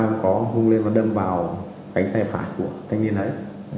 em có hung lên và đâm vào cánh tay phải của thanh niên ấy